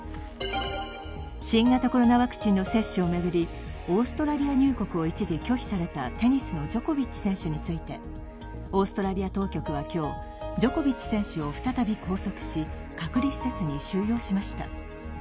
新型コロナワクチンの接種を巡りオーストラリア入国を一時拒否されたテニスのジョコビッチ選手についてオーストラリア当局は今日、ジョコビッチ選手を再び拘束し、隔離施設に収容しました。